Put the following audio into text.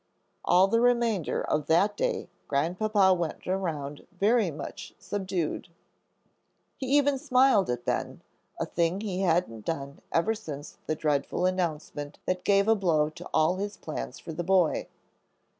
All the remainder of that day Grandpapa went around very much subdued. He even smiled at Ben, a thing he hadn't done ever since the dreadful announcement that gave a blow to all his plans for the boy.